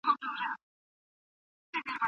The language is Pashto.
ژوندپوهنه د هر طبي مرکز لپاره پکار ده.